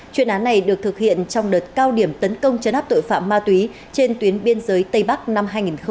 chuyên án này được thực hiện trong đợt cao điểm tấn công chấn áp tội phạm ma túy trên tuyến biên giới tây bắc năm hai nghìn hai mươi ba